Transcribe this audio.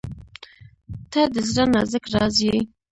• ته د زړه نازک راز یې.